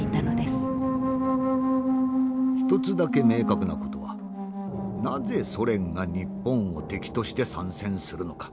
「一つだけ明確な事はなぜソ連が日本を敵として参戦するのか。